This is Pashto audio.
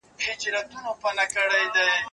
کېدای سي سبزیجات خراب وي